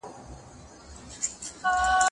هغه څوک چي کتابتون ته ځي پوهه اخلي!؟